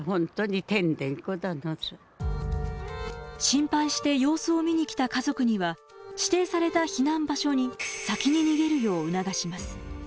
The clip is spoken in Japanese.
心配して様子を見に来た家族には指定された避難場所に先に逃げるよう促します。